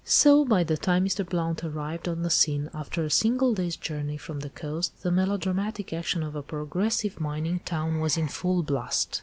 So, by the time Mr. Blount arrived on the scene, after a single day's journey from the coast, the melodramatic action of a progressive mining town was "in full blast."